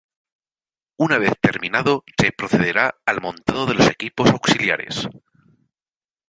Una vez terminado se procederá al montado de los equipos auxiliares.